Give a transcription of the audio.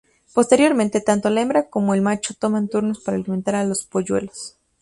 Posteriormente, tanto la hembra como el macho toman turnos para alimentar a los polluelos.